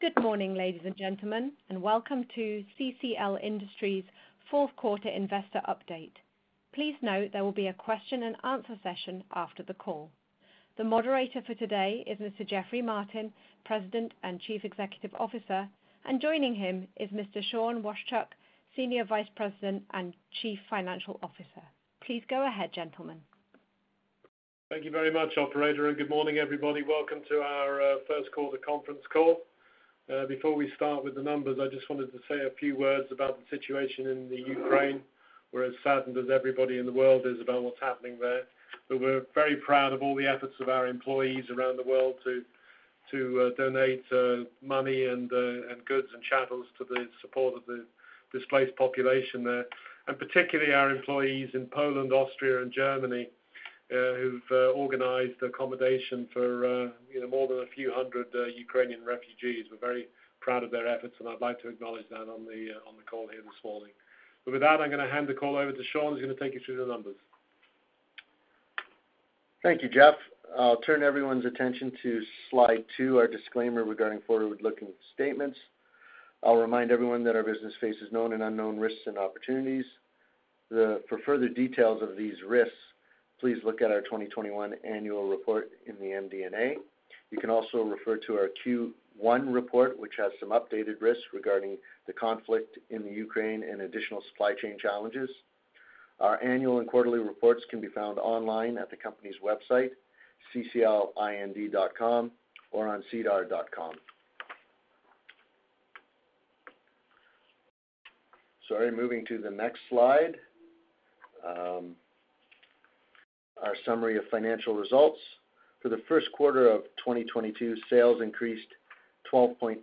Good morning, ladies and gentlemen, and welcome to CCL Industries fourth quarter investor update. Please note there will be a question and answer session after the call. The moderator for today is Mr. Geoffrey Martin, President and Chief Executive Officer, and joining him is Mr. Sean Washchuk, Senior Vice President and Chief Financial Officer. Please go ahead, gentlemen. Thank you very much, operator, and good morning, everybody. Welcome to our first quarter conference call. Before we start with the numbers, I just wanted to say a few words about the situation in the Ukraine. We're as saddened as everybody in the world is about what's happening there. We're very proud of all the efforts of our employees around the world to donate money and goods and chattels to the support of the displaced population there, and particularly our employees in Poland, Austria, and Germany, who've organized accommodation for you know more than a few hundred Ukrainian refugees. We're very proud of their efforts, and I'd like to acknowledge that on the call here this morning. With that, I'm gonna hand the call over to Sean, who's gonna take you through the numbers. Thank you, Geoff. I'll turn everyone's attention to slide two, our disclaimer regarding forward-looking statements. I'll remind everyone that our business faces known and unknown risks and opportunities. For further details of these risks, please look at our 2021 annual report in the MD&A. You can also refer to our Q1 report, which has some updated risks regarding the conflict in Ukraine and additional supply chain challenges. Our annual and quarterly reports can be found online at the company's website, cclind.com, or on sedar.com. Moving to the next slide, our summary of financial results. For the first quarter of 2022, sales increased 12.8%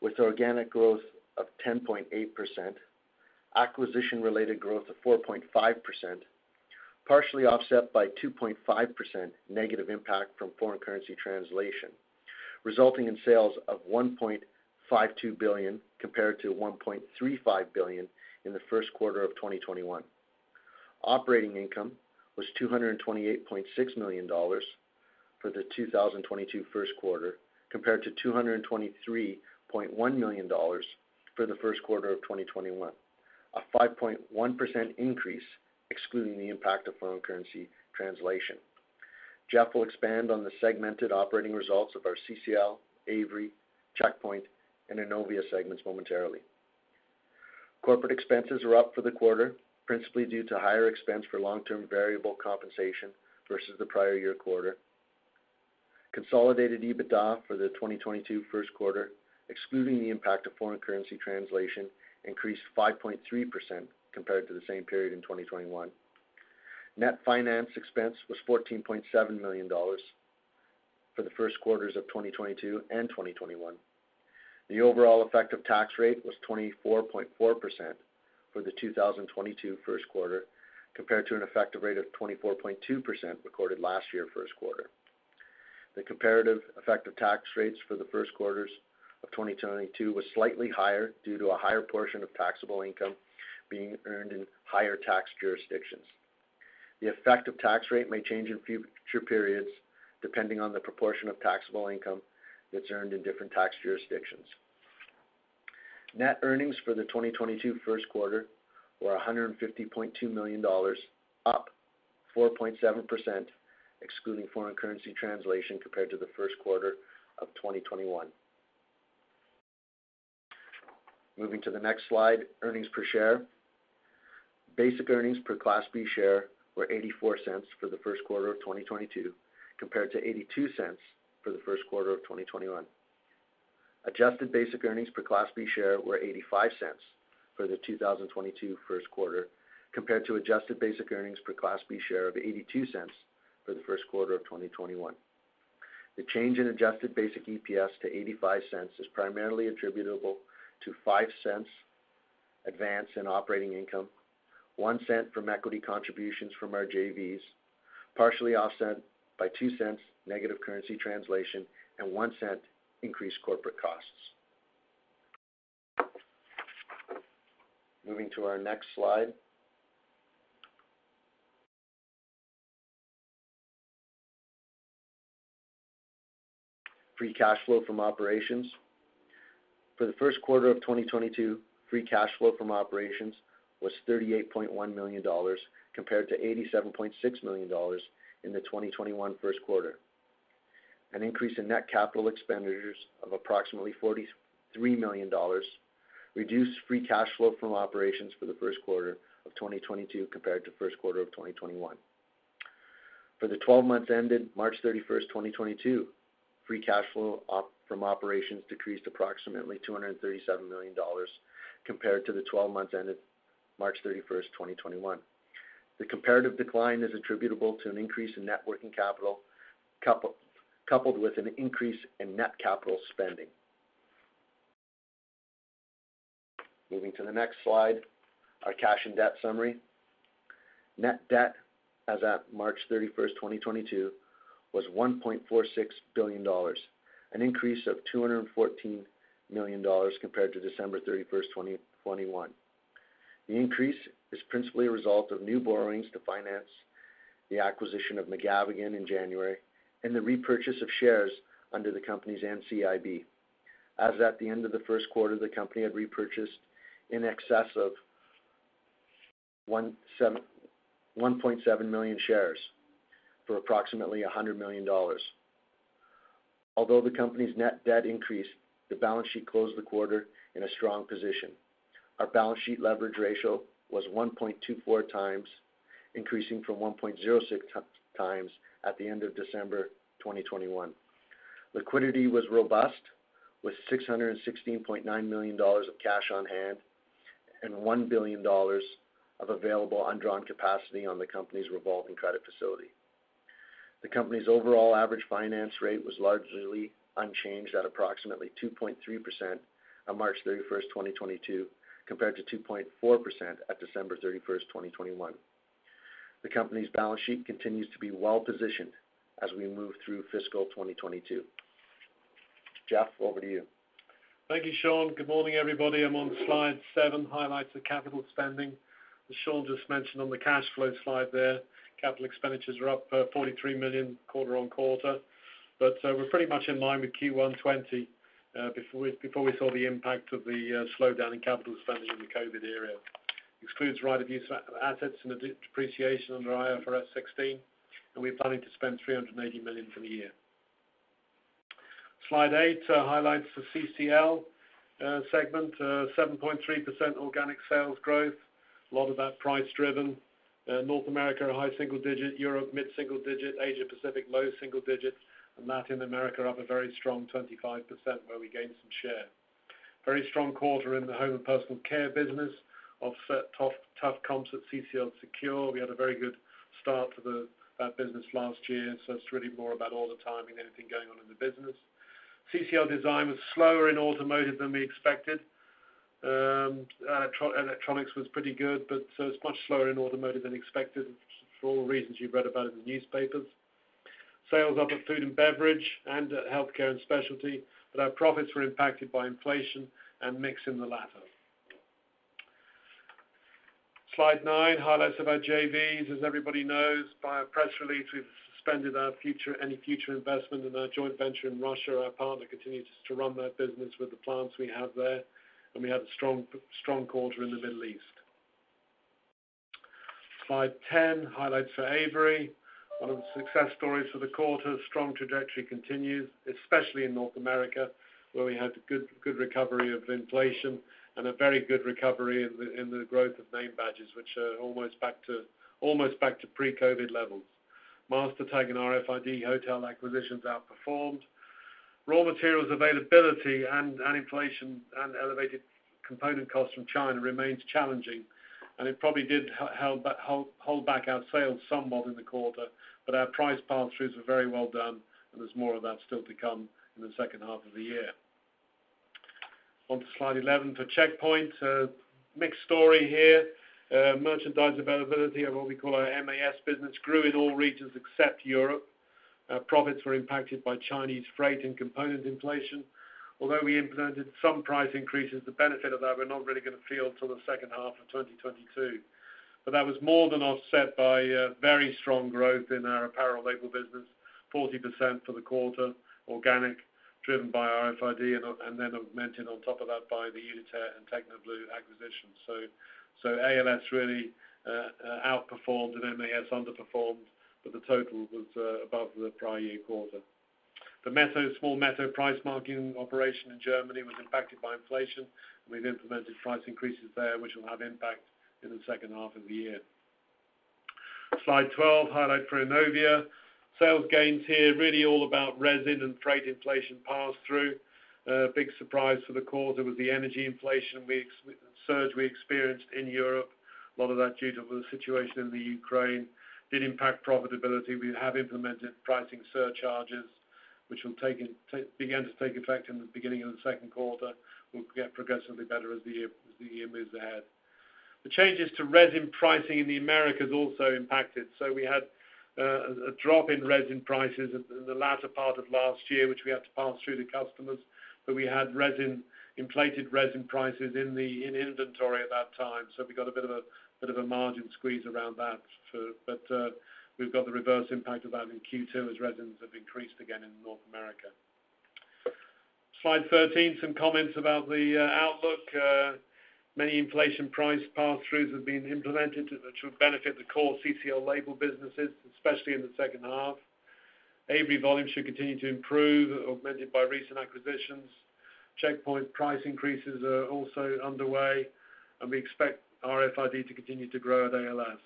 with organic growth of 10.8%, acquisition-related growth of 4.5%, partially offset by 2.5% negative impact from foreign currency translation, resulting in sales of CAD 1.52 billion compared to CAD 1.35 billion in the first quarter of 2021. Operating income was CAD 228.6 million for the 2022 first quarter compared to CAD 223.1 million for the first quarter of 2021. A 5.1% increase, excluding the impact of foreign currency translation. Geoff will expand on the segmented operating results of our CCL, Avery, Checkpoint, and Innovia segments momentarily. Corporate expenses are up for the quarter, principally due to higher expense for long-term variable compensation versus the prior year quarter. Consolidated EBITDA for the 2022 first quarter, excluding the impact of foreign currency translation, increased 5.3% compared to the same period in 2021. Net finance expense was 14.7 million dollars for the first quarters of 2022 and 2021. The overall effective tax rate was 24.4% for the 2022 first quarter, compared to an effective rate of 24.2% recorded last year first quarter. The comparative effective tax rates for the first quarters of 2022 was slightly higher due to a higher portion of taxable income being earned in higher tax jurisdictions. The effective tax rate may change in future periods depending on the proportion of taxable income that's earned in different tax jurisdictions. Net earnings for the 2022 first quarter were 150.2 million dollars, up 4.7%, excluding foreign currency translation compared to the first quarter of 2021. Moving to the next slide, earnings per share. Basic earnings per Class B share were 0.84 for the first quarter of 2022, compared to 0.82 for the first quarter of 2021. Adjusted basic earnings per Class B share were 0.85 for the 2022 first quarter, compared to adjusted basic earnings per Class B share of 0.82 for the first quarter of 2021. The change in adjusted basic EPS to 0.85 is primarily attributable to 0.05 advance in operating income, 0.01 from equity contributions from our JVs, partially offset by 0.02 negative currency translation and 0.01 increased corporate costs. Moving to our next slide. Free cash flow from operations. For the first quarter of 2022, free cash flow from operations was 38.1 million dollars, compared to 87.6 million dollars in the 2021 first quarter. An increase in net capital expenditures of approximately 43 million dollars reduced free cash flow from operations for the first quarter of 2022 compared to first quarter of 2021. For the twelve months ended March 31st, 2022, free cash flow from operations decreased approximately 237 million dollars compared to the 12 months ended March 31st, 2021. The comparative decline is attributable to an increase in net working capital coupled with an increase in net capital spending. Moving to the next slide, our cash and debt summary. Net debt as at March 31st, 2022, was 1.46 billion dollars, an increase of 214 million dollars compared to December 31st, 2021. The increase is principally a result of new borrowings to finance the acquisition of McGavigan in January and the repurchase of shares under the company's NCIB. As at the end of the first quarter, the company had repurchased in excess of 1.7 million shares for approximately 100 million dollars. Although the company's net debt increased, the balance sheet closed the quarter in a strong position. Our balance sheet leverage ratio was 1.24x, increasing from 1.06x at the end of December 2021. Liquidity was robust with 616.9 million dollars of cash on hand and 1 billion dollars of available undrawn capacity on the company's revolving credit facility. The company's overall average finance rate was largely unchanged at approximately 2.3% on March 31, 2022, compared to 2.4% at December 31, 2021. The company's balance sheet continues to be well-positioned as we move through fiscal 2022. Geoff, over to you. Thank you, Sean. Good morning, everybody. I'm on Slide seven, highlights of capital spending. As Sean just mentioned on the cash flow slide there, capital expenditures are up 43 million quarter-on-quarter. We're pretty much in line with Q1 2020 before we saw the impact of the slowdown in capital spending in the COVID era. Excludes right-of-use assets and the depreciation under IFRS 16, and we're planning to spend 380 million for the year. Slide eight, highlights for CCL segment, 7.3% organic sales growth. A lot of that price-driven. North America, high single-digit %. Europe, mid-single-digit %. Asia Pacific, low single-digits %. Latin America up a very strong 25%, where we gained some share. Very strong quarter in the home and personal care business offset tough comps at CCL Secure. We had a very good start to that business last year, so it's really more about all the timing, anything going on in the business. CCL Design was slower in automotive than we expected. Electronics was pretty good, but so it's much slower in automotive than expected for all reasons you've read about in the newspapers. Sales up at food and beverage and at healthcare and specialty, but our profits were impacted by inflation and mix in the latter. Slide nine, highlights of our JVs. As everybody knows, via press release, we've suspended any future investment in our joint venture in Russia. Our partner continues to run that business with the plants we have there, and we had a strong quarter in the Middle East. Slide 10, highlights for Avery. One of the success stories for the quarter, strong trajectory continues, especially in North America, where we had good recovery of inflation and a very good recovery in the growth of name badges, which are almost back to pre-COVID levels. MasterTag and RFID Hotel acquisitions outperformed. Raw materials availability and inflation and elevated component costs from China remains challenging, and it probably did hold back our sales somewhat in the quarter. Our price pass-throughs were very well done, and there's more of that still to come in the second half of the year. On to Slide 11 for Checkpoint. Mixed story here. Merchandise availability of what we call our MAS business grew in all regions except Europe. Profits were impacted by Chinese freight and component inflation. Although we implemented some price increases, the benefit of that we're not really gonna feel till the second half of 2022. That was more than offset by very strong growth in our apparel label business, 40% for the quarter, organic, driven by RFID and then augmented on top of that by the Uniter and Tecnoblu acquisitions. ALS really outperformed and MAS underperformed, but the total was above the prior year quarter. The small Meto price marking operation in Germany was impacted by inflation. We've implemented price increases there, which will have impact in the second half of the year. Slide 12, highlight for Innovia. Sales gains here really all about resin and freight inflation pass-through. Big surprise for the quarter was the energy inflation surge we experienced in Europe. A lot of that due to the situation in Ukraine did impact profitability. We have implemented pricing surcharges, which will begin to take effect in the beginning of the second quarter, will get progressively better as the year moves ahead. The changes to resin pricing in the Americas also impacted. We had a drop in resin prices in the latter part of last year, which we had to pass through to customers. We had inflated resin prices in inventory at that time. We got a bit of a margin squeeze around that but we've got the reverse impact of that in Q2 as resins have increased again in North America. Slide 13, some comments about the outlook. Many inflation price pass-throughs have been implemented which would benefit the core CCL label businesses, especially in the second half. Avery volumes should continue to improve, augmented by recent acquisitions. Checkpoint price increases are also underway, and we expect RFID to continue to grow at ALS.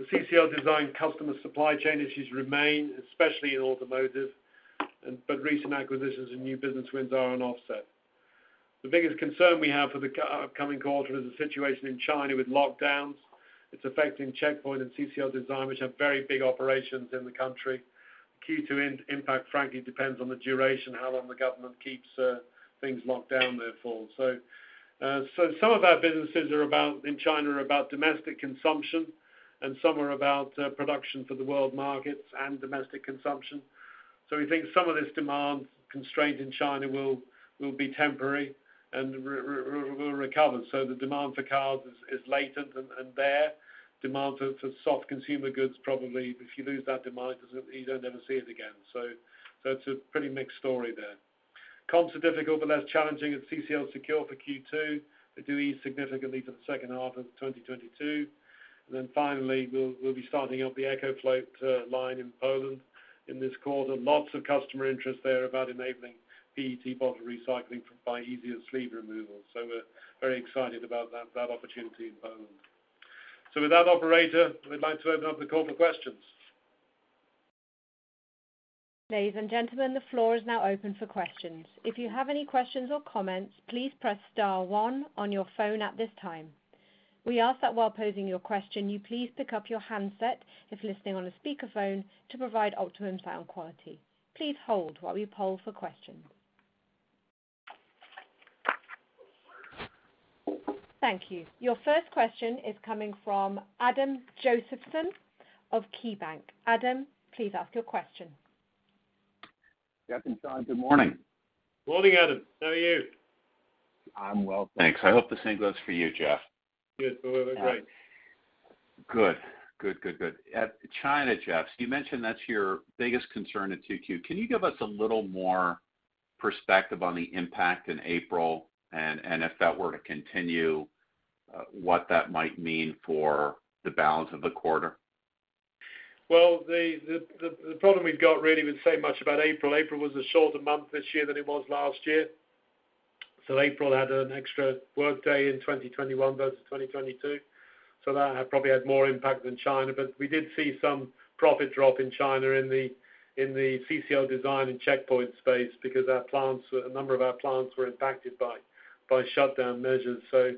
The CCL Design customer supply chain issues remain, especially in automotive, but recent acquisitions and new business wins are an offset. The biggest concern we have for the upcoming quarter is the situation in China with lockdowns. It's affecting Checkpoint and CCL Design, which have very big operations in the country. Q2 impact frankly depends on the duration, how long the government keeps things locked down there for. Some of our businesses in China are about domestic consumption and some are about production for the world markets and domestic consumption. We think some of this demand constraint in China will be temporary and will recover. The demand for cars is latent and there. Demand for soft consumer goods, probably if you lose that demand, you don't ever see it again. It's a pretty mixed story there. Comps are difficult but less challenging at CCL Secure for Q2. They do ease significantly for the second half of 2022. Finally, we'll be starting up the EcoFloat line in Poland in this quarter. Lots of customer interest there about enabling PET bottle recycling by easier sleeve removal. We're very excited about that opportunity in Poland. With that operator, we'd like to open up the call for questions. Ladies and gentlemen, the floor is now open for questions. If you have any questions or comments, please press star one on your phone at this time. We ask that while posing your question, you please pick up your handset if listening on a speaker phone to provide optimum sound quality. Please hold while we poll for questions. Thank you. Your first question is coming from Adam Josephson of KeyBanc Capital Markets. Adam, please ask your question. Geoffrey and Tom, good morning. Morning, Adam. How are you? I'm well, thanks. I hope the same goes for you, Geoff. Yes, we're really great. Good. In China, Geoffrey, you mentioned that's your biggest concern at 2Q. Can you give us a little more perspective on the impact in April? If that were to continue, what that might mean for the balance of the quarter? Well, the problem we've got really with so much about April. April was a shorter month this year than it was last year. April had an extra work day in 2021 versus 2022. That probably had more impact than China. We did see some profit drop in China in the CCL Design and Checkpoint space because our plants, a number of our plants were impacted by shutdown measures. CAD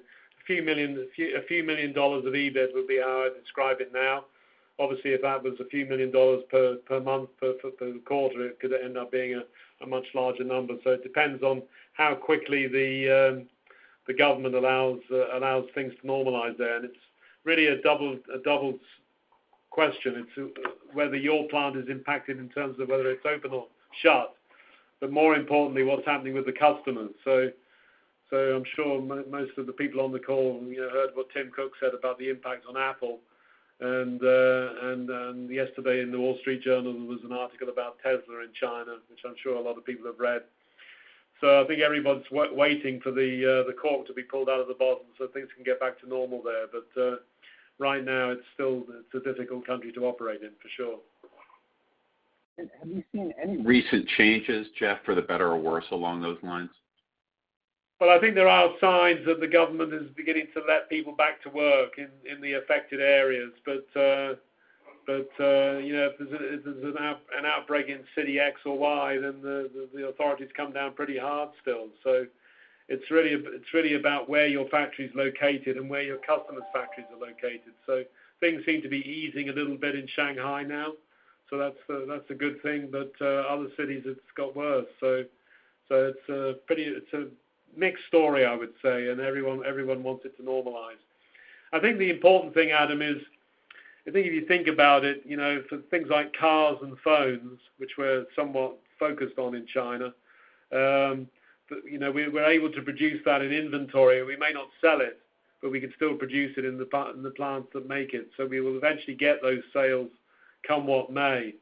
a few million of EBIT would be how I describe it now. Obviously, if that was CAD a few million per month, per quarter, it could end up being a much larger number. It depends on how quickly the government allows things to normalize there. It's really a doubled question into whether your plant is impacted in terms of whether it's open or shut. More importantly, what's happening with the customers. I'm sure most of the people on the call, you know, heard what Tim Cook said about the impact on Apple. Yesterday in The Wall Street Journal, there was an article about Tesla in China, which I'm sure a lot of people have read. I think everyone's waiting for the cork to be pulled out of the bottle so things can get back to normal there. Right now, it's still a difficult country to operate in for sure. Have you seen any recent changes, Geoff, for the better or worse along those lines? Well, I think there are signs that the government is beginning to let people back to work in the affected areas. You know, if there's an outbreak in city X or Y, then the authorities come down pretty hard still. It's really about where your factory is located and where your customers' factories are located. Things seem to be easing a little bit in Shanghai now. That's a good thing. Other cities it's got worse. It's a pretty mixed story, I would say, and everyone wants it to normalize. I think the important thing, Adam, is, I think if you think about it, you know, for things like cars and phones, which we're somewhat focused on in China, you know, we're able to produce that in inventory. We may not sell it, but we can still produce it in the plants that make it. We will eventually get those sales come what may.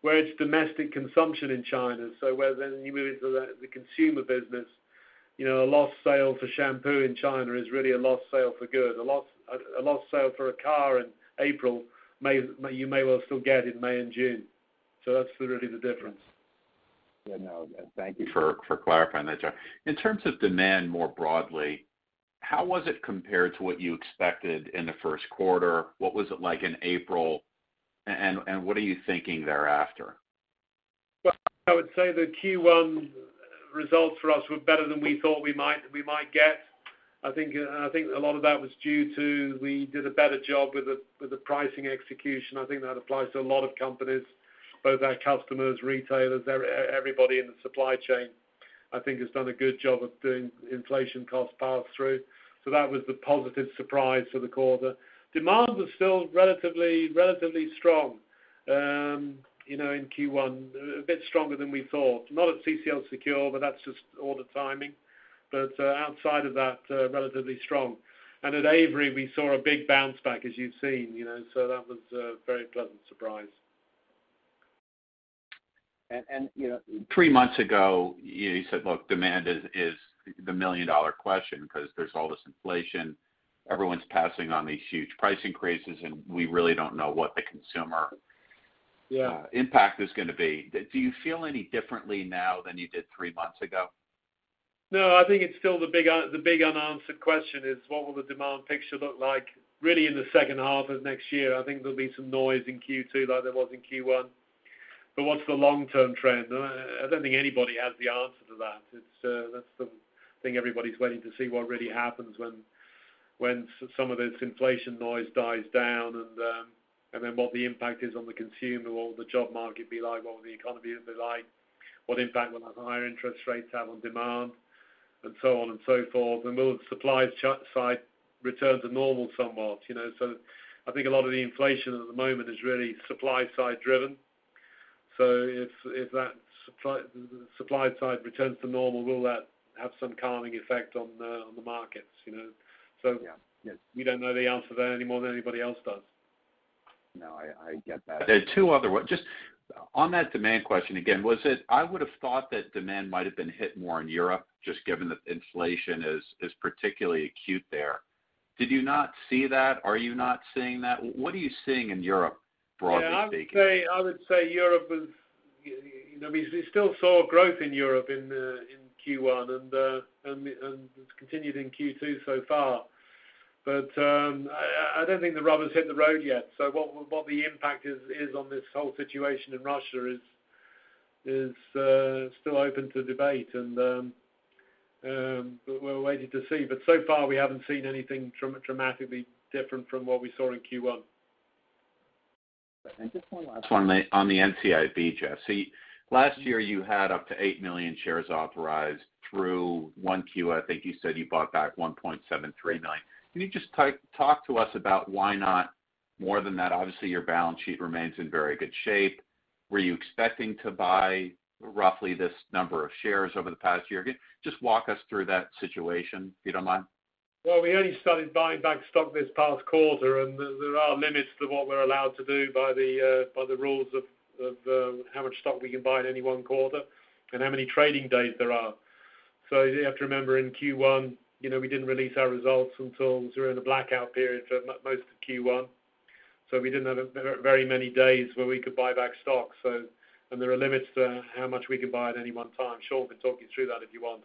Where it's domestic consumption in China, so whether you move into the consumer business, you know, a lost sale for shampoo in China is really a lost sale for good. A lost sale for a car in April you may well still get in May and June. That's really the difference. Yeah, no. Thank you for clarifying that, Geoffrey. In terms of demand more broadly, how was it compared to what you expected in the first quarter? What was it like in April? What are you thinking thereafter? I would say the Q1 results for us were better than we thought we might get. I think a lot of that was due to we did a better job with the pricing execution. I think that applies to a lot of companies, both our customers, retailers, everybody in the supply chain, I think has done a good job of doing inflation cost pass through. That was the positive surprise for the quarter. Demand was still relatively strong, you know, in Q1. A bit stronger than we thought. Not at CCL Secure, but that's just all the timing. Outside of that, relatively strong. At Avery, we saw a big bounce back as you've seen. You know, that was a very pleasant surprise. You know, three months ago, you said, look, demand is the million-dollar question because there's all this inflation. Everyone's passing on these huge price increases, and we really don't know what the consumer Yeah. impact is gonna be. Do you feel any differently now than you did three months ago? No, I think it's still the big unanswered question is what will the demand picture look like really in the second half of next year? I think there'll be some noise in Q2 like there was in Q1. What's the long-term trend? I don't think anybody has the answer to that. It's, that's the thing everybody's waiting to see what really happens when some of this inflation noise dies down and then what the impact is on the consumer, what the job market be like, what will the economy be like, what impact will the higher interest rates have on demand. So on and so forth. Will the supply chain side return to normal somewhat, you know? I think a lot of the inflation at the moment is really supply side driven. If that supply side returns to normal, will that have some calming effect on the markets, you know? Yeah. Yes. We don't know the answer there any more than anybody else does. No, I get that. There are two other one. Just on that demand question again, I would've thought that demand might have been hit more in Europe, just given the inflation is particularly acute there. Did you not see that? Are you not seeing that? What are you seeing in Europe broadly speaking? Yeah, I would say Europe was, you know, we still saw growth in Europe in Q1, and it's continued in Q2 so far. I don't think the rubber's hit the road yet. What the impact is on this whole situation in Russia is still open to debate. We're waiting to see. So far we haven't seen anything dramatically different from what we saw in Q1. Just one last one on the NCIB, Geoff. See, last year you had up to 8 million shares authorized through Q1. I think you said you bought back 1.739. Can you just talk to us about why not more than that? Obviously, your balance sheet remains in very good shape. Were you expecting to buy roughly this number of shares over the past year? Again, just walk us through that situation, if you don't mind. Well, we only started buying back stock this past quarter, and there are limits to what we're allowed to do by the rules of how much stock we can buy in any one quarter and how many trading days there are. You have to remember in Q1, you know, we didn't release our results until we were in the blackout period for most of Q1. We didn't have very many days where we could buy back stock. There are limits to how much we could buy at any one time. Sean can talk you through that if you want.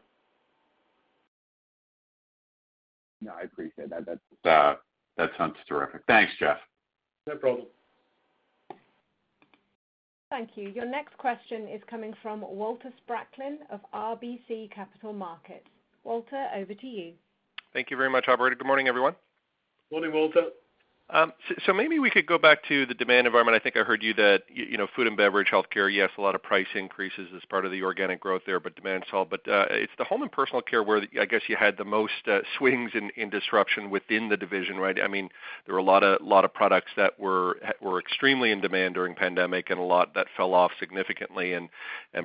No, I appreciate that. That's that sounds terrific. Thanks, Geoff. No problem. Thank you. Your next question is coming from Walter Spracklin of RBC Capital Markets. Walter, over to you. Thank you very much, operator. Good morning, everyone. Morning, Walter. Maybe we could go back to the demand environment. I think I heard you that you know, food and beverage, healthcare, yes, a lot of price increases as part of the organic growth there, but demand's solid. It's the home and personal care where I guess you had the most swings in disruption within the division, right? I mean, there were a lot of products that were extremely in demand during pandemic and a lot that fell off significantly and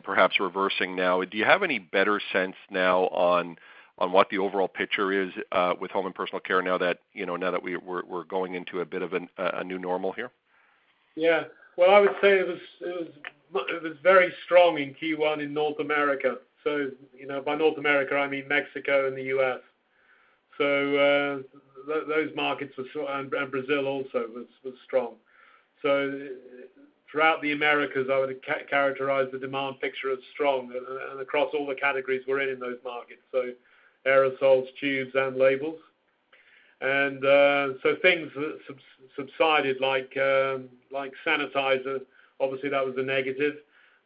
perhaps reversing now. Do you have any better sense now on what the overall picture is with home and personal care now that you know, now that we're going into a bit of a new normal here? Well, I would say it was very strong in Q1 in North America. You know, by North America, I mean Mexico and the U.S. Those markets and Brazil also were strong. Throughout the Americas, I would characterize the demand picture as strong and across all the categories we're in in those markets. Aerosols, tubes, and labels. Things that subsided like sanitizers, obviously, that was a negative.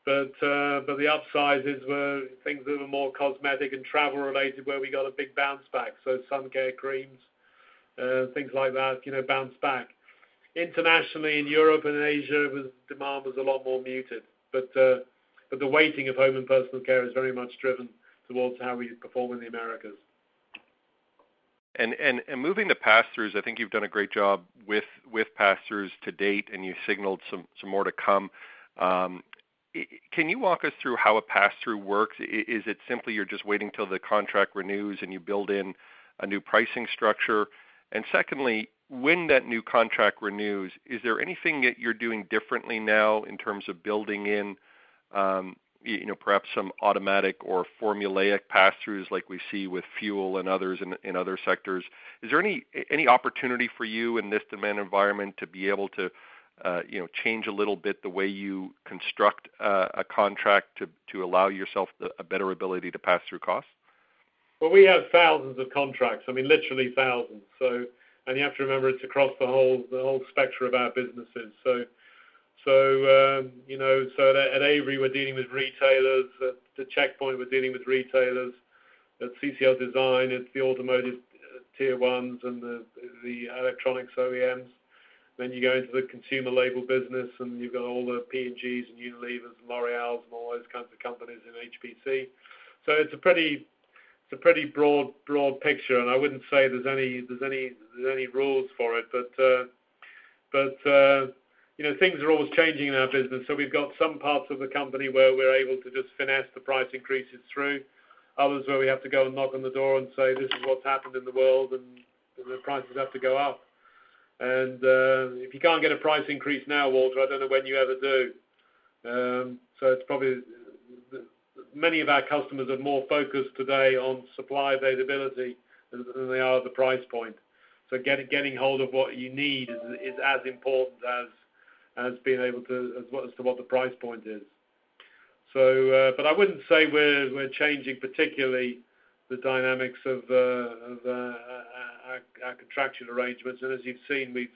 The upsides were things that were more cosmetic and travel related, where we got a big bounce back. Sun care creams, things like that, you know, bounced back. Internationally, in Europe and Asia, demand was a lot more muted. The weighting of household and personal care is very much driven towards how we perform in the Americas. Moving to pass-throughs, I think you've done a great job with pass-throughs to date, and you signaled some more to come. Can you walk us through how a pass-through works? Is it simply you're just waiting till the contract renews and you build in a new pricing structure? Secondly, when that new contract renews, is there anything that you're doing differently now in terms of building in, you know, perhaps some automatic or formulaic pass-throughs like we see with fuel and others in other sectors? Is there any opportunity for you in this demand environment to be able to, you know, change a little bit the way you construct a contract to allow yourself a better ability to pass through costs? Well, we have thousands of contracts, I mean, literally thousands. You have to remember, it's across the whole spectrum of our businesses. You know, at Avery, we're dealing with retailers. At Checkpoint, we're dealing with retailers. At CCL Design, it's the automotive tier ones and the electronics OEMs. Then you go into the consumer label business, and you've got all the P&Gs and Unilever and L'Oréal and all those kinds of companies in HPC. It's a pretty broad picture, and I wouldn't say there's any rules for it. You know, things are always changing in our business. We've got some parts of the company where we're able to just finesse the price increases through, others where we have to go and knock on the door and say, "This is what's happened in the world, and the prices have to go up." If you can't get a price increase now, Walter, I don't know when you ever do. Many of our customers are more focused today on supply availability than they are the price point. Getting hold of what you need is as important as to what the price point is. But I wouldn't say we're changing particularly the dynamics of our contractual arrangements. As you've seen, we've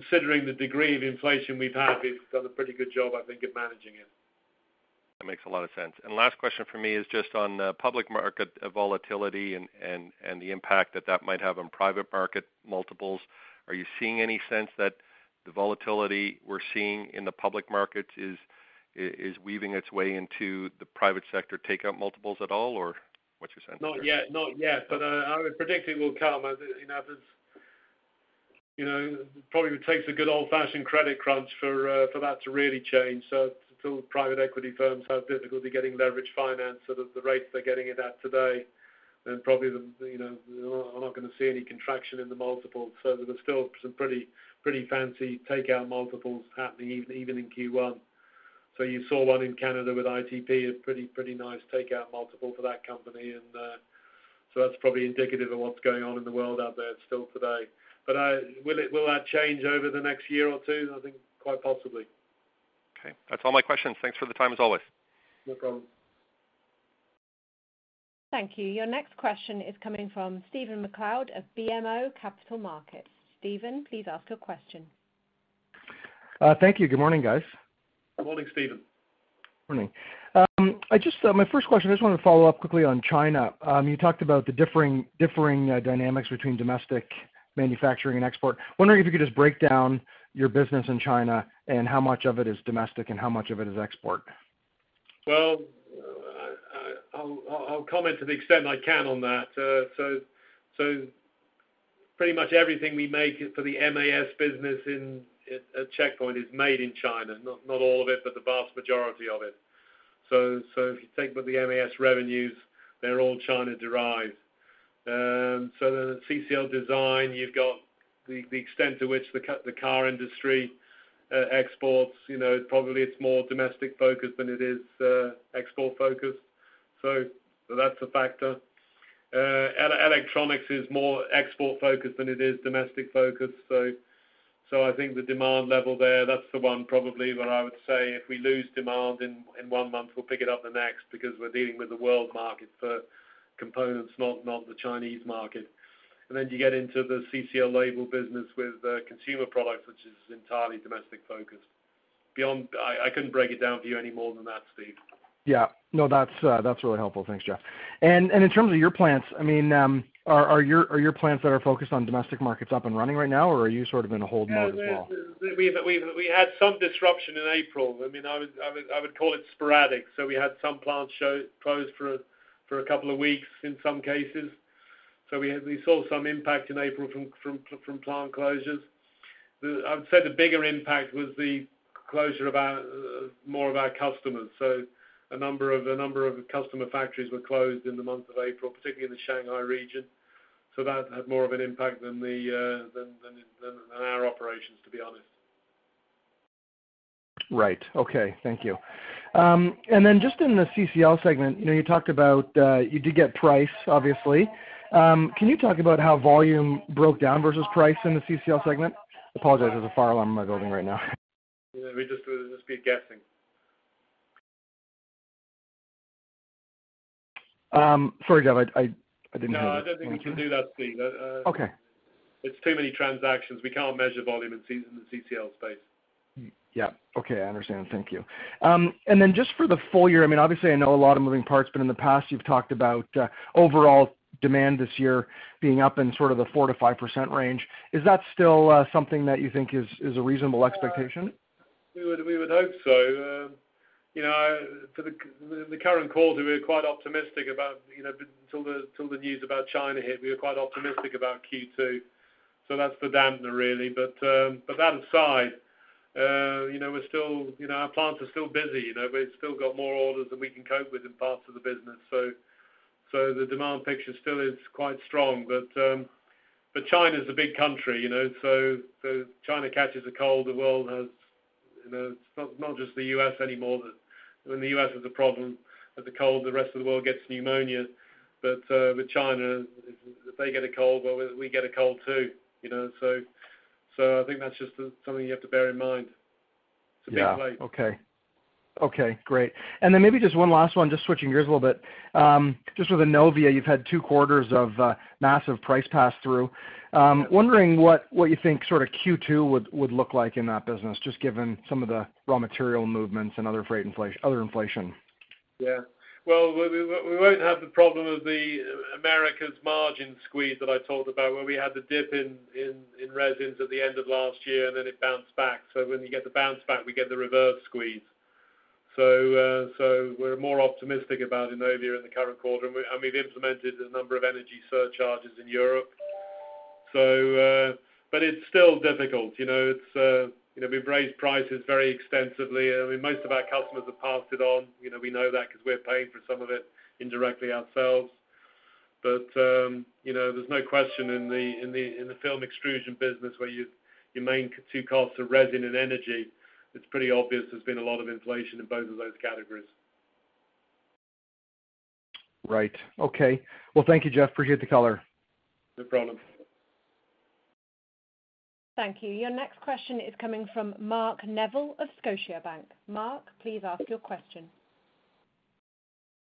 considering the degree of inflation we've had, we've done a pretty good job, I think, at managing it. That makes a lot of sense. Last question from me is just on public market volatility and the impact that that might have on private market multiples. Are you seeing any sense that the volatility we're seeing in the public markets is weaving its way into the private sector takeout multiples at all, or what's your sense there? Not yet. I would predict it will come. You know, there's, you know, probably it takes a good old-fashioned credit crunch for that to really change. Till private equity firms have difficulty getting leveraged finance so that the rates they're getting it at today, then probably, you know, we're not gonna see any contraction in the multiples. There was still some pretty fancy takeout multiples happening even in Q1. You saw one in Canada with ITP, a pretty nice takeout multiple for that company. That's probably indicative of what's going on in the world out there still today. Will that change over the next year or two? I think quite possibly. Okay. That's all my questions. Thanks for the time, as always. No problem. Thank you. Your next question is coming from Stephen MacLeod of BMO Capital Markets. Stephen, please ask your question. Thank you. Good morning, guys. Good morning, Stephen. Morning. My first question, I just wanna follow up quickly on China. You talked about the differing dynamics between domestic manufacturing and export. Wondering if you could just break down your business in China and how much of it is domestic and how much of it is export. Well, I'll comment to the extent I can on that. So pretty much everything we make for the MAS business at Checkpoint is made in China. Not all of it, but the vast majority of it. So if you think with the MAS revenues, they're all China-derived. So the CCL Design, you've got the extent to which the car industry exports. You know, probably it's more domestic-focused than it is export-focused. So that's a factor. Electronics is more export-focused than it is domestic-focused. So I think the demand level there, that's the one probably where I would say if we lose demand in one month, we'll pick it up the next because we're dealing with the world market for components, not the Chinese market. You get into the CCL Label business with the consumer products, which is entirely domestic-focused. I couldn't break it down for you any more than that, Stephen. Yeah. No, that's really helpful. Thanks, Geoff. In terms of your plants, I mean, are your plants that are focused on domestic markets up and running right now, or are you sort of in a hold mode as well? We had some disruption in April. I mean, I would call it sporadic. We had some plants closed for a couple of weeks in some cases. We saw some impact in April from plant closures. I would say the bigger impact was the closure of more of our customers. A number of customer factories were closed in the month of April, particularly in the Shanghai region. That had more of an impact than our operations, to be honest. Right. Okay. Thank you. Just in the CCL segment, you know, you talked about, you did get price, obviously. Can you talk about how volume broke down versus price in the CCL segment? Apologize, there's a fire alarm in my building right now. Yeah, we'd just be guessing. Sorry, Jeff, I didn't hear that. No, I don't think we can do that, Steve. Okay. It's too many transactions. We can't measure volume in the CCL space. Yeah. Okay, I understand. Thank you. Then just for the full year, I mean, obviously I know a lot of moving parts, but in the past you've talked about overall demand this year being up in sort of the 4%-5% range. Is that still something that you think is a reasonable expectation? We would hope so. For the current quarter, we're quite optimistic about till the news about China hit, we were quite optimistic about Q2. That's a dampener, really. That aside, we're still. Our plants are still busy. We've still got more orders than we can cope with in parts of the business. The demand picture still is quite strong. China's a big country. If China catches a cold, the world has. It's not just the U.S. anymore that when the U.S. has a problem with a cold, the rest of the world gets pneumonia. With China, if they get a cold, well, we get a cold too. I think that's just something you have to bear in mind. Yeah. It's a big place. Okay. Okay, great. Maybe just one last one, just switching gears a little bit. Just with Innovia, you've had two quarters of massive price pass-through. Wondering what you think sort of Q2 would look like in that business, just given some of the raw material movements and other inflation. Yeah. Well, we won't have the problem of the Americas' margin squeeze that I talked about, where we had the dip in resins at the end of last year, and then it bounced back. When you get the bounce back, we get the reverse squeeze. We're more optimistic about Innovia in the current quarter. And we've implemented a number of energy surcharges in Europe. But it's still difficult, you know. It's, you know, we've raised prices very extensively. I mean, most of our customers have passed it on. You know, we know that 'cause we're paying for some of it indirectly ourselves. you know, there's no question in the film extrusion business where your main two costs are resin and energy, it's pretty obvious there's been a lot of inflation in both of those categories. Right. Okay. Well, thank you, Geoffrey, appreciate the color. No problem. Thank you. Your next question is coming from Mark Neville of Scotiabank. Mark, please ask your question.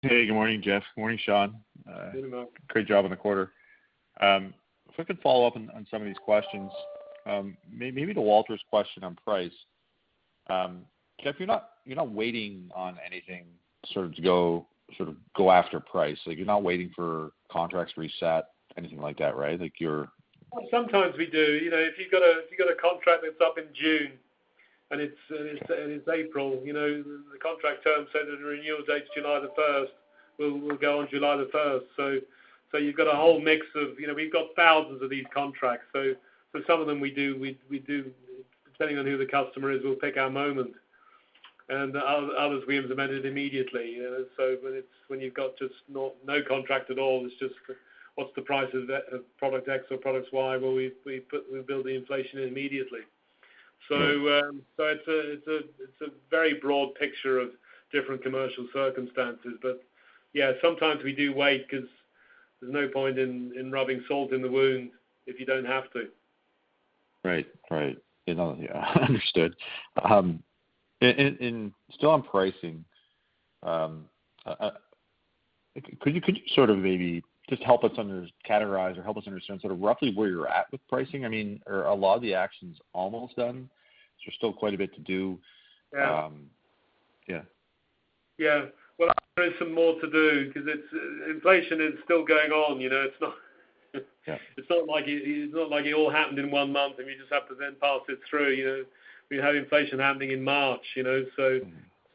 Hey, good morning, Geoff. Good morning, Sean. Good morning. Great job on the quarter. If I could follow up on some of these questions, maybe to Walter's question on price. Geoff, you're not waiting on anything sort of to go after price. Like, you're Well, sometimes we do. You know, if you've got a contract that's up in June. It's April, you know. The contract terms say that the renewal date's July the first. We'll go on July the first. You've got a whole mix of, you know, we've got thousands of these contracts. Some of them we do depending on who the customer is, we'll pick our moment. Others we implement it immediately. When you've got just no contract at all, it's just what's the price of product X or products Y, well we build the inflation in immediately. Mm. It's a very broad picture of different commercial circumstances. Yeah, sometimes we do wait 'cause there's no point in rubbing salt in the wound if you don't have to. Understood. Still on pricing, could you sort of maybe just help us understand sort of roughly where you're at with pricing? I mean, are a lot of the actions almost done? Is there still quite a bit to do? Yeah. Yeah. Yeah. Well, there is some more to do 'cause it's inflation is still going on, you know. It's not like it all happened in one month and we just have to then pass it through, you know. We had inflation happening in March, you know.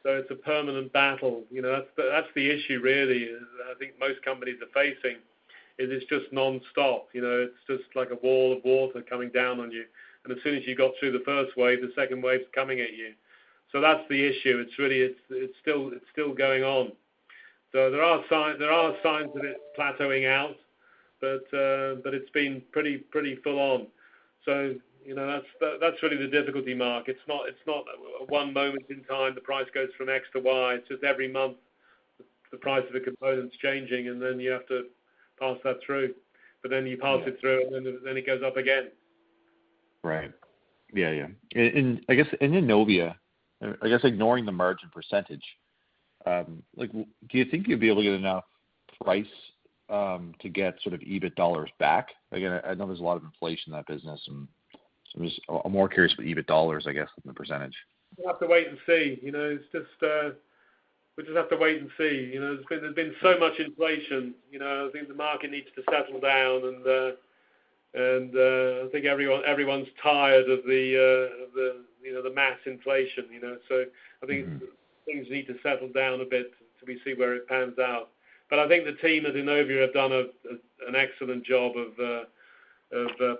Mm. It's a permanent battle, you know. That's the issue really is I think most companies are facing, is it's just nonstop, you know. It's just like a wall of water coming down on you. As soon as you got through the first wave, the second wave's coming at you. That's the issue. It's really, it's still going on. There are signs of it plateauing out, but it's been pretty full on. You know, that's really the difficulty Mark. It's not one moment in time the price goes from X to Y. It's just every month the price of the component's changing, and then you have to pass that through. Then you pass it through. Yeah. It goes up again. Right. Yeah, yeah. I guess in Innovia, I guess ignoring the margin percentage, like do you think you'll be able to get enough price to get sort of EBIT dollars back? Again, I know there's a lot of inflation in that business, and so I'm just more curious about EBIT dollars I guess than the percentage. We'll have to wait and see. You know, it's just, we just have to wait and see. You know, there's been so much inflation, you know. I think the market needs to settle down and I think everyone's tired of the, you know, the mass inflation, you know. I think. Mm. Things need to settle down a bit till we see where it pans out. I think the team at Innovia have done an excellent job of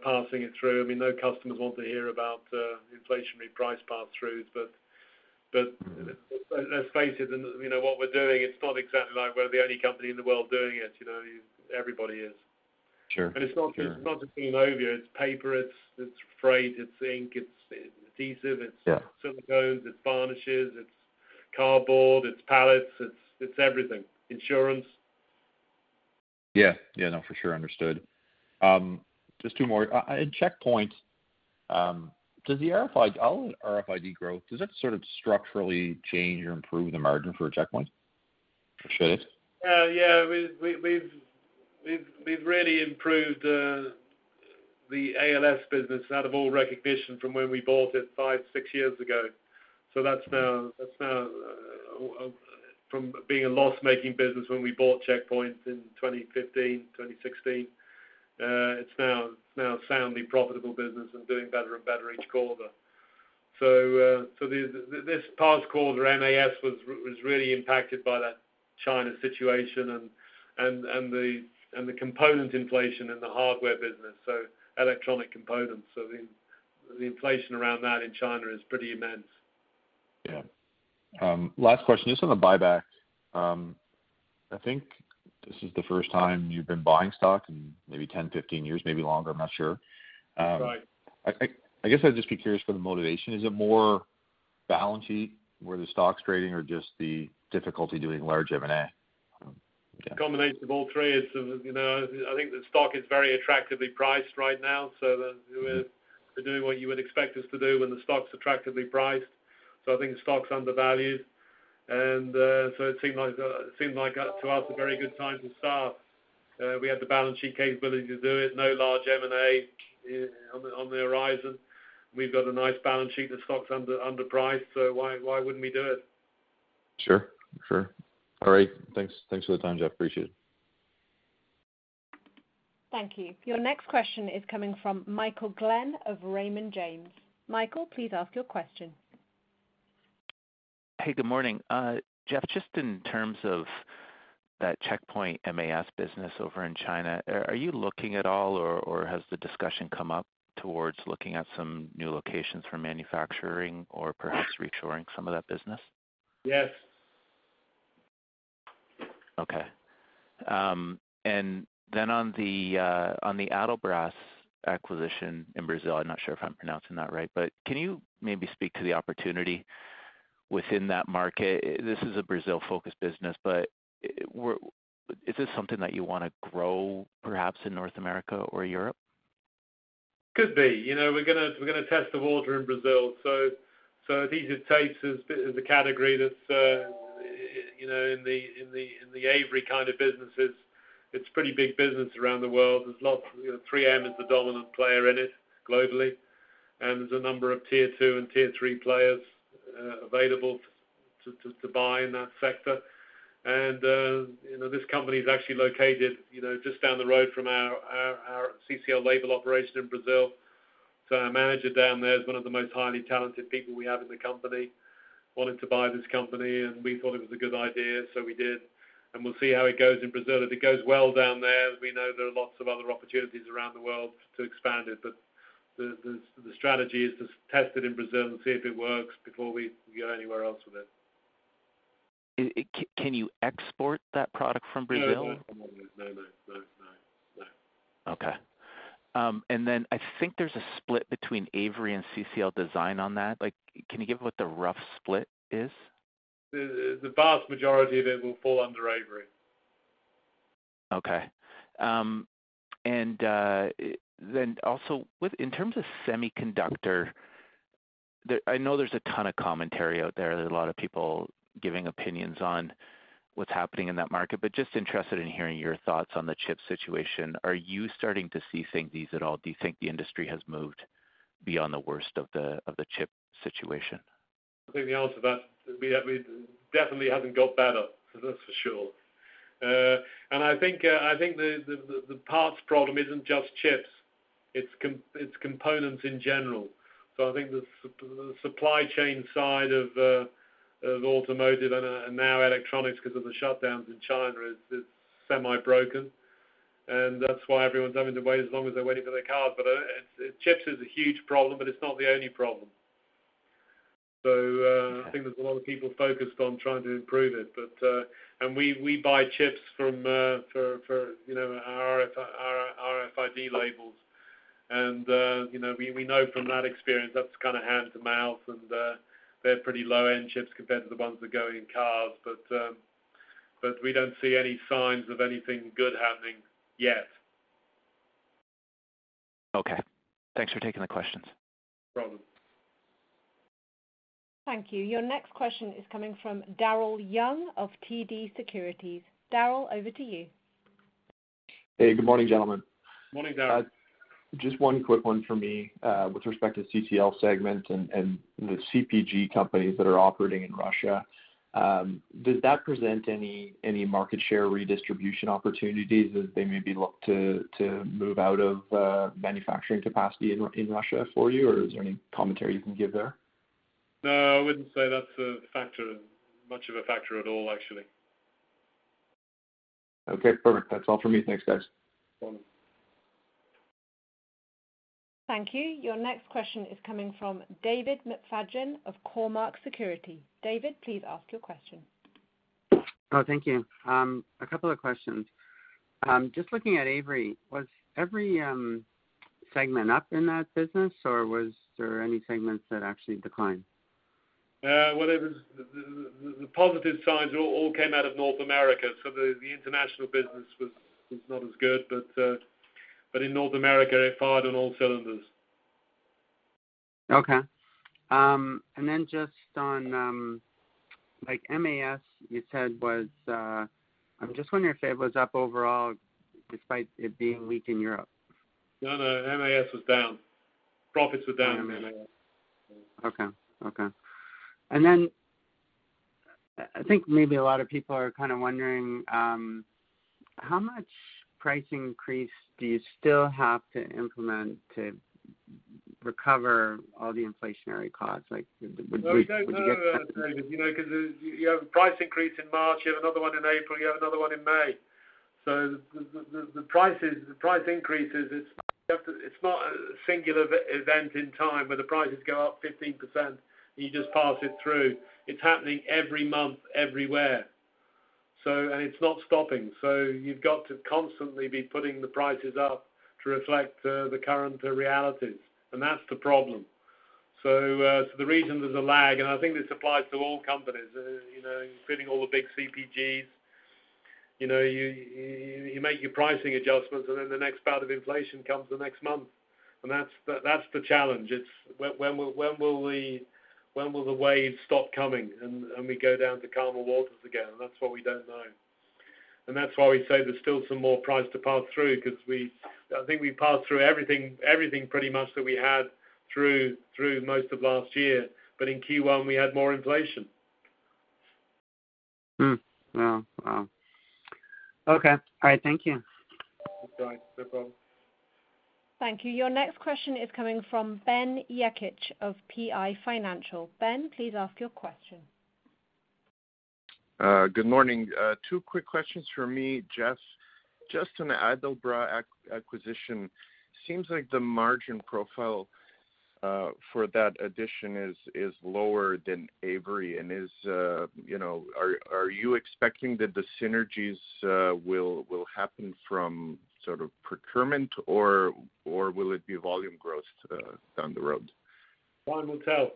passing it through. I mean, no customers want to hear about inflationary price pass-throughs. But Mm. Let's face it and you know what we're doing, it's not exactly like we're the only company in the world doing it, you know. Everybody is. Sure. It's not just Innovia. It's paper, it's freight, it's ink, it's adhesive, it's- Yeah. Silicones, it's varnishes, it's cardboard, it's pallets, it's everything. Insurance. Yeah. Yeah, no, for sure. Understood. Just two more. In Checkpoint, does all RFID growth sort of structurally change or improve the margin for Checkpoint? Or should it? Yeah, we've really improved the ALS business out of all recognition from when we bought it five, six years ago. That's now from being a loss-making business when we bought Checkpoint in 2015, 2016. It's now a soundly profitable business and doing better and better each quarter. This past quarter, MAS was really impacted by that China situation and the component inflation in the hardware business, so electronic components. The inflation around that in China is pretty immense. Yeah. Last question, just on the buyback. I think this is the first time you've been buying stock in maybe 10, 15 years, maybe longer, I'm not sure. That's right. I guess I'd just be curious for the motivation. Is it more balance sheet where the stock's trading or just the difficulty doing large M&A? Yeah. Combination of all three. It's, you know, I think the stock is very attractively priced right now. Mm-hmm. We're doing what you would expect us to do when the stock's attractively priced. I think the stock's undervalued. It seemed like, to us, a very good time to start. We had the balance sheet capability to do it. No large M&A on the horizon. We've got a nice balance sheet. The stock's underpriced, so why wouldn't we do it? Sure. All right, thanks. Thanks for the time, Geoff. Appreciate it. Thank you. Your next question is coming from Michael Glen of Raymond James. Michael, please ask your question. Hey, good morning. Geoffrey, just in terms of that Checkpoint MAS business over in China, are you looking at all or has the discussion come up towards looking at some new locations for manufacturing or perhaps re-shoring some of that business? Yes. Okay. On the Adelbras acquisition in Brazil, I'm not sure if I'm pronouncing that right. Can you maybe speak to the opportunity within that market? This is a Brazil-focused business. Is this something that you wanna grow perhaps in North America or Europe? Could be. You know, we're gonna test the water in Brazil. Adhesive tapes is a category that's in the Avery kind of businesses. It's pretty big business around the world. There's lots, 3M is the dominant player in it globally, and there's a number of tier two and tier three players available to buy in that sector. This company is actually located just down the road from our CCL Label operation in Brazil. Our manager down there is one of the most highly talented people we have in the company, wanted to buy this company, and we thought it was a good idea, so we did. We'll see how it goes in Brazil. If it goes well down there, we know there are lots of other opportunities around the world to expand it. The strategy is to test it in Brazil and see if it works before we go anywhere else with it. Can you export that product from Brazil? No, no. No, no. No, no. No. Okay. I think there's a split between Avery and CCL Design on that. Like, can you give what the rough split is? The vast majority of it will fall under Avery. Okay. In terms of semiconductor, I know there's a ton of commentary out there. There's a lot of people giving opinions on what's happening in that market, but just interested in hearing your thoughts on the chip situation. Are you starting to see things ease at all? Do you think the industry has moved beyond the worst of the chip situation? I think the answer to that, definitely hasn't got better, that's for sure. I think the parts problem isn't just chips. It's components in general. I think the supply chain side of automotive and now electronics because of the shutdowns in China is semi-broken. That's why everyone's having to wait as long as they're waiting for their cars. Chips is a huge problem, but it's not the only problem. Okay I think there's a lot of people focused on trying to improve it. We buy chips for you know our RFID labels. You know we know from that experience that's kind of hand to mouth and they're pretty low-end chips compared to the ones that go in cars. We don't see any signs of anything good happening yet. Okay. Thanks for taking the questions. No problem. Thank you. Your next question is coming from Daryl Young of TD Securities. Daryl, over to you. Hey, good morning, gentlemen. Morning, Daryl. Just one quick one for me, with respect to CCL segment and the CPG companies that are operating in Russia. Does that present any market share redistribution opportunities as they maybe look to move out of manufacturing capacity in Russia for you? Or is there any commentary you can give there? No, I wouldn't say that's a factor, much of a factor at all, actually. Okay, perfect. That's all for me. Thanks, guys. No problem. Thank you. Your next question is coming from David McFadgen of Cormark Securities. David, please ask your question. Oh, thank you. A couple of questions. Just looking at Avery, was every segment up in that business, or was there any segments that actually declined? Well, it was the positive signs all came out of North America. The international business was not as good. In North America, it fired on all cylinders. Just on like MAS, you said was. I'm just wondering if it was up overall despite it being weak in Europe. No, no. MAS was down. Profits were down in MAS. I think maybe a lot of people are kind of wondering how much price increase do you still have to implement to recover all the inflationary costs? No, we don't know that, David. You know, 'cause you have a price increase in March, you have another one in April, you have another one in May. The prices, the price increases, it's not a singular event in time where the prices go up 15%, and you just pass it through. It's happening every month, everywhere. It's not stopping. You've got to constantly be putting the prices up to reflect the current realities, and that's the problem. The reason there's a lag, and I think this applies to all companies, you know, including all the big CPGs. You know, you make your pricing adjustments, and then the next bout of inflation comes the next month. That's the challenge. When will the waves stop coming and we go down to calmer waters again? That's what we don't know. That's why we say there's still some more price to pass through because I think we passed through everything pretty much that we had through most of last year. In Q1, we had more inflation. Wow. Okay. All right. Thank you. That's all right. No problem. Thank you. Your next question is coming from Ben Jekic of PI Financial. Ben, please ask your question. Good morning. Two quick questions from me, Geoff. Just on the Adelbras acquisition, seems like the margin profile for that addition is lower than Avery. Are you expecting that the synergies will happen from sort of procurement, or will it be volume growth down the road? Time will tell.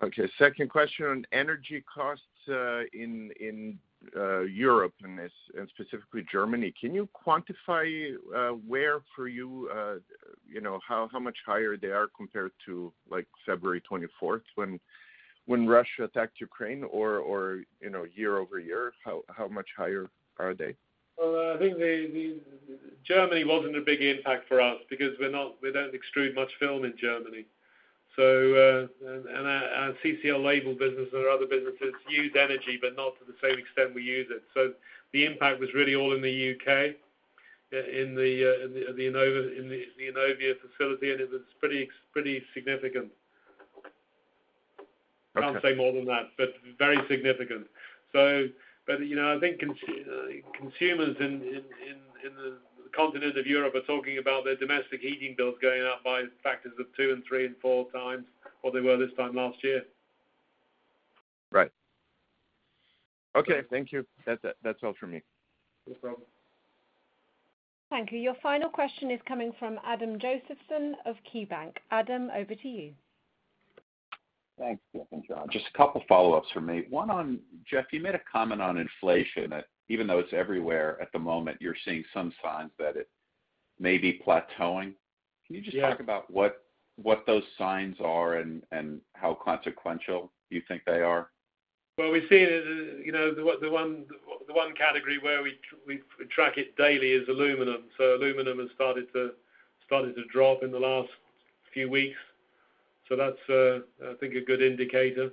Okay, second question on energy costs in Europe and specifically Germany. Can you quantify where for you know, how much higher they are compared to like February 24th when When Russia attacked Ukraine or, you know, year over year, how much higher are they? I think Germany wasn't a big impact for us because we don't extrude much film in Germany. Our CCL Label business and our other businesses use energy, but not to the same extent we use it. The impact was really all in the U.K., in the Innovia facility, and it was pretty significant. Okay. Can't say more than that, but very significant. You know, I think consumers in the continent of Europe are talking about their domestic heating bills going up by factors of two and three and four times what they were this time last year. Right. Okay. Thank you. That's all for me. No problem. Thank you. Your final question is coming from Adam Josephson of KeyBanc. Adam, over to you. Thanks, Geoffrey. Just a couple follow-ups from me. One on Geoffrey, you made a comment on inflation, even though it's everywhere at the moment, you're seeing some signs that it may be plateauing. Yeah. Can you just talk about what those signs are and how consequential you think they are? We've seen it as, you know, the one category where we track it daily is aluminum. Aluminum has started to drop in the last few weeks. That's, I think, a good indicator.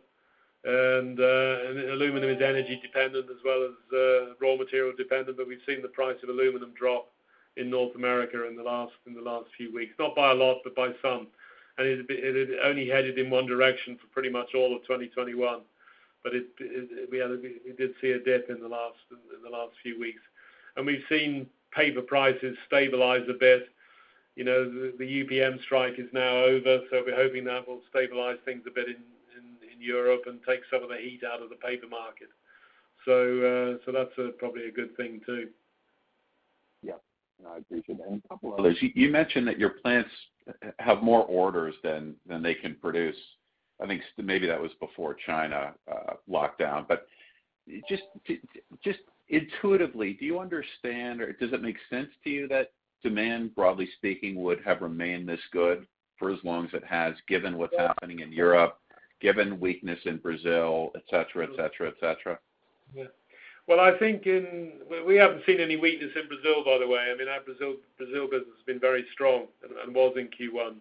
Aluminum is energy dependent as well as raw material dependent, but we've seen the price of aluminum drop in North America in the last few weeks, not by a lot, but by some. It had only headed in one direction for pretty much all of 2021. We did see a dip in the last few weeks. We've seen paper prices stabilize a bit. You know, the UPM strike is now over, so we're hoping that will stabilize things a bit in Europe and take some of the heat out of the paper market. That's probably a good thing too. Yeah. No, I agree. You mentioned that your plants have more orders than they can produce. I think maybe that was before China locked down. Just intuitively, do you understand or does it make sense to you that demand, broadly speaking, would have remained this good for as long as it has, given what's happening in Europe, given weakness in Brazil, et cetera, et cetera, et cetera? Yeah. Well, I think we haven't seen any weakness in Brazil, by the way. I mean, our Brazil business has been very strong and was in Q1.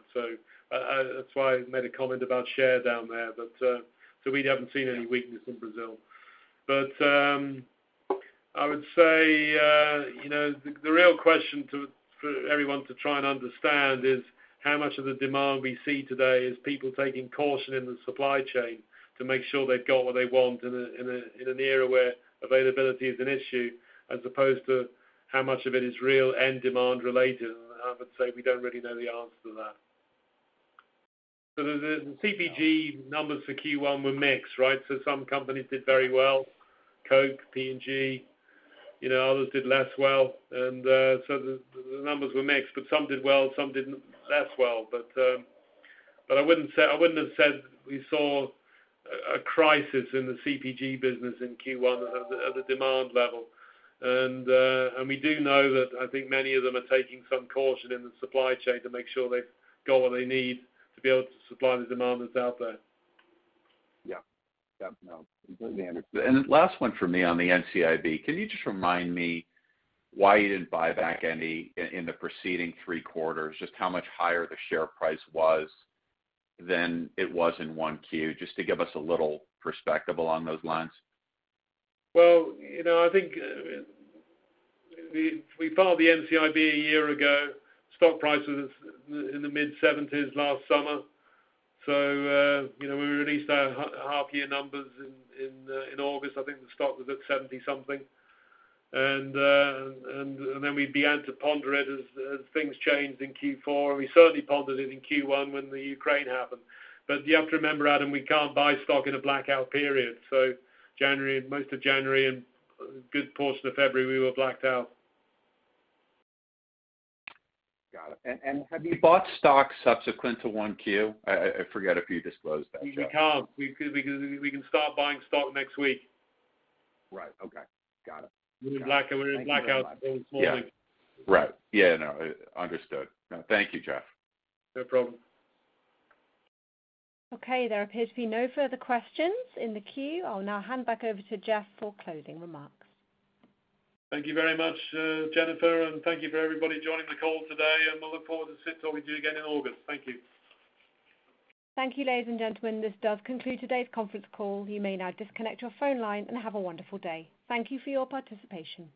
That's why I made a comment about share down there. We haven't seen any weakness in Brazil. I would say, you know, the real question for everyone to try and understand is how much of the demand we see today is people taking caution in the supply chain to make sure they've got what they want in an era where availability is an issue, as opposed to how much of it is real end demand related. I would say we don't really know the answer to that. The CPG numbers for Q1 were mixed, right? Some companies did very well, Coke, P&G. You know, others did less well. The numbers were mixed, but some did well, some did less well. But I wouldn't say—I wouldn't have said we saw a crisis in the CPG business in Q1 at the demand level. We do know that I think many of them are taking some caution in the supply chain to make sure they've got what they need to be able to supply the demand that's out there. Yeah. Yeah. Last one for me on the NCIB. Can you just remind me why you didn't buy back any in the preceding three quarters? Just how much higher the share price was than it was in Q1, just to give us a little perspective along those lines. Well, you know, I think we filed the NCIB a year ago. Stock price was in the mid-70s last summer. You know, we released our half-year numbers in August. I think the stock was at 70-something. Then we began to ponder it as things changed in Q4, and we certainly pondered it in Q1 when the Ukraine happened. You have to remember, Adam, we can't buy stock in a blackout period. January, most of January and a good portion of February, we were blacked out. Got it. Have you bought stock subsequent to Q1? I forget if you disclosed that, Geoff. We can start buying stock next week. Right. Okay. Got it. We were in blackout. Thank you very much. for those four weeks. Yeah. Right. Yeah, no, understood. No. Thank you, Geoff. No problem. Okay, there appears to be no further questions in the queue. I'll now hand back over to Geoffrey for closing remarks. Thank you very much, Jennifer, and thank you for everybody joining the call today, and we'll look forward to sit talking to you again in August. Thank you. Thank you, ladies and gentlemen. This does conclude today's conference call. You may now disconnect your phone line and have a wonderful day. Thank you for your participation.